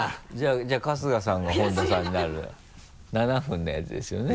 じゃあ春日さんが本田さんになる７分のやつですよね。